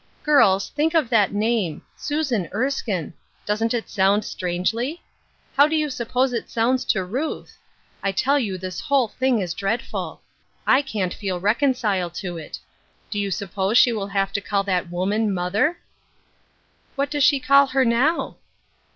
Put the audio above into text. Girls, think of that name — Susan Erskihe ! Doesn't it sound strangely ? How do you suppose it sounds to Ruth ? I tell you this whole thing is dreadful ! I can't feel recon ciled to it. Do you suppose she will have Ui call that woman mother ?"" What does she call her now